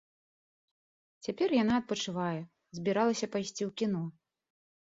Цяпер яна адпачывае, збіралася пайсці ў кіно.